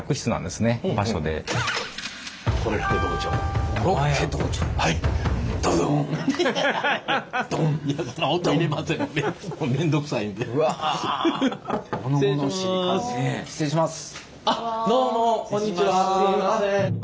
すいません。